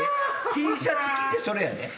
Ｔシャツ着てそれやで。